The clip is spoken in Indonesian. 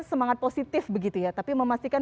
semangat positif begitu ya tapi memastikan